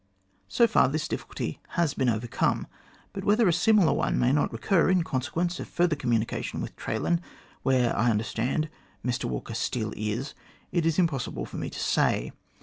So far, this difficulty has been overcome, but whether a similar one may not recur in consequence of further communication with Traylan, where, I understand, Mr Walker still is, it is impossible for me to say.